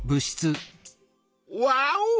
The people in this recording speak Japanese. ワオ！